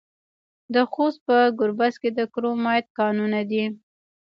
د خوست په ګربز کې د کرومایټ کانونه دي.